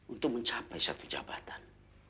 untuk mencapai satu jabatan